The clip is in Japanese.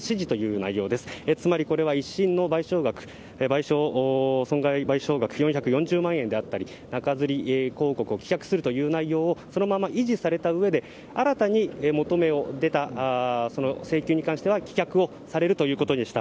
つまりこれは、１審の損害賠償額４４０万円であったり中づり広告を棄却する内容をそのまま維持された形で新たに求めが出た請求に関しては棄却をされるということでした。